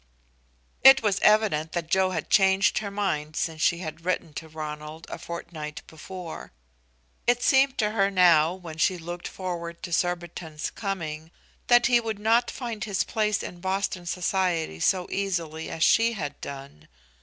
It was evident that Joe had changed her mind since she had written to Ronald a fortnight before. It seemed to her now, when she looked forward to Surbiton's coming, that he would not find his place in Boston society so easily as she had done.